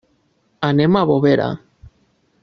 Anem a Bovera.